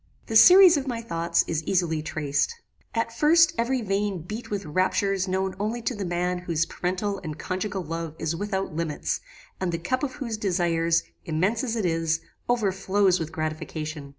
"The series of my thoughts is easily traced. At first every vein beat with raptures known only to the man whose parental and conjugal love is without limits, and the cup of whose desires, immense as it is, overflows with gratification.